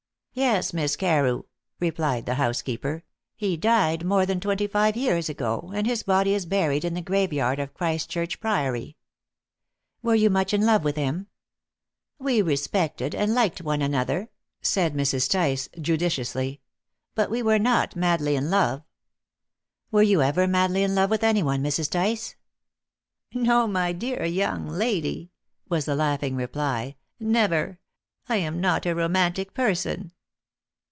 "Yes, Miss Carew," replied the housekeeper; "he died more than twenty five years ago, and his body is buried in the graveyard of Christchurch Priory." "Were you much in love with him?" "We respected and liked one another," said Mrs. Tice judiciously: "but we were not madly in love." "Were you ever madly in love with anyone, Mrs. Tice?" "No, my dear young lady," was the laughing reply, "never! I am not a romantic person."